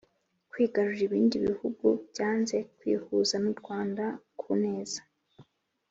kwigarurira ibindi bihugu byanze kwihuza n u Rwanda ku neza